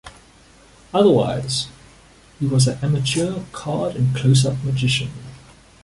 Otherwise, he was an amateur card and close-up magician.